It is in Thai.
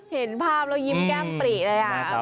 เห็นภาพแล้วยิ้มแก้มปริเลย